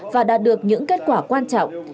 và đạt được những kết quả quan trọng